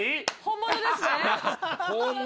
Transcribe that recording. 本物ですね。